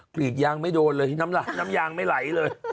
กรีดยางไม่โดนเลยน้ำยางไม่ไหลเลย